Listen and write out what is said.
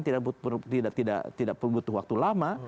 tidak perlu butuh waktu lama